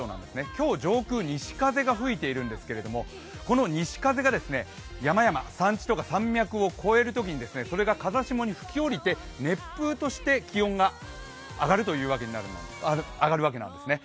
今日、上空、西風が吹いているんですけど、この西風が山々、山地とか山脈を越えるときにそれが風下に吹き降りて熱風として気温が上がるわけなんですね。